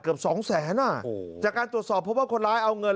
สองแสนอ่ะโอ้โหจากการตรวจสอบเพราะว่าคนร้ายเอาเงิน